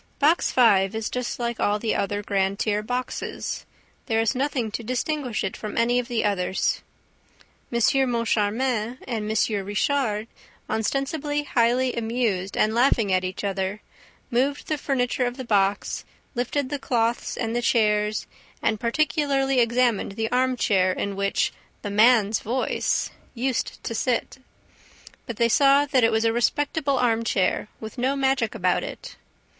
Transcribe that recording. Box Five is just like all the other grand tier boxes. There is nothing to distinguish it from any of the others. M. Moncharmin and M. Richard, ostensibly highly amused and laughing at each other, moved the furniture of the box, lifted the cloths and the chairs and particularly examined the arm chair in which "the man's voice" used to sit. But they saw that it was a respectable arm chair, with no magic about it.